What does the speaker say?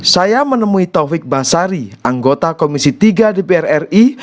saya menemui taufik basari anggota komisi tiga dpr ri